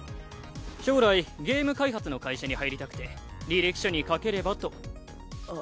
将来ゲーム開発の会社に入りたくて履歴書に書ければと。